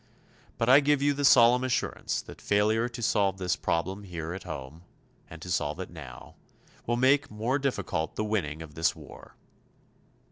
But I give you the solemn assurance that failure to solve this problem here at home and to solve it now will make more difficult the winning of this war.